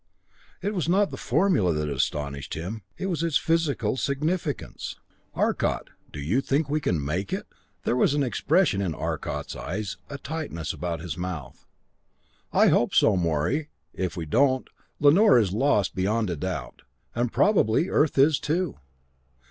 It was not the formula that astonished him it was its physical significance. "Arcot do you think we can make it?" There was a new expression in Arcot's eyes, a tightness about his mouth. "I hope so, Morey. If we don't, Lanor is lost beyond a doubt and probably Earth is, too.